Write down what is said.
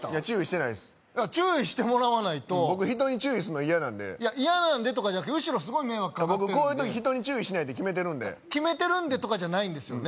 注意してないです注意してもらわないと僕人に注意するの嫌なんでいや「嫌なんで」とかじゃなくて後ろすごい迷惑かかってる僕こういう時人に注意しないって決めてるんで決めてるんでとかじゃないんです